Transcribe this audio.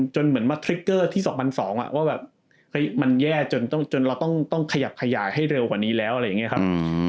เหมือนมาทริกเกอร์ที่๒๐๐๒ว่าแบบมันแย่จนเราต้องขยับขยายให้เร็วกว่านี้แล้วอะไรอย่างนี้ครับ